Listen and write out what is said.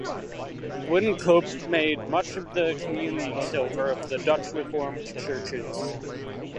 Wynkoop made much of the communion silver of the Dutch Reformed churches.